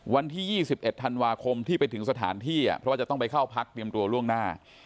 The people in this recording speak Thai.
วันที่๒๑ธันวาคมที่ไปถึงสถานที่เพราะว่าจะต้องไปเข้าพักเตรียมตัวล่วงหน้า